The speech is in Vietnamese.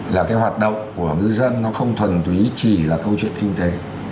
là cái hoạt động của ngư dân nó không thuần túy chỉ là câu chuyện kinh tế